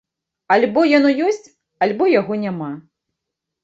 Альбо яно ёсць, альбо яго няма.